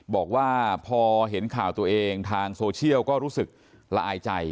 บอกว่าพอเห็นข่าวตัวเองทางโซเชียลก็รู้สึกละอายใจ